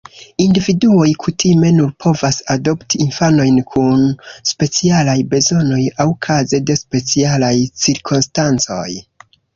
Individuoj kutime nur povas adopti infanojn kun specialaj bezonoj aŭ kaze de specialaj cirkonstancoj.